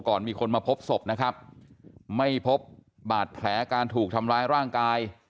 มีคนมาพบศพนะครับไม่พบบาดแผลการถูกทำร้ายร่างกาย